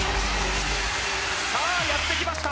さあやってきました